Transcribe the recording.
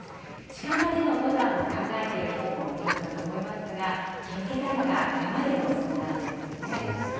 近場での登山を考えている人もいるかと思いますが、気をつけたいのが山での遭難ですよね。